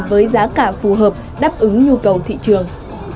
với giá cả phù hợp đáp ứng nhu cầu thị trường